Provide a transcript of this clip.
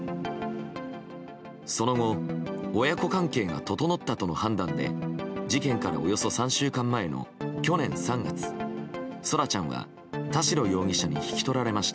その後親子関係が整ったとの判断で事件からおよそ３週間前の去年３月空来ちゃんは田代容疑者に引き取られました。